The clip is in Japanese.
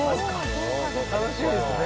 楽しみですね